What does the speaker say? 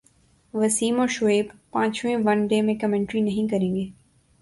وسیم اور شعیب پانچویں one day میں کمنٹری نہیں کریں گے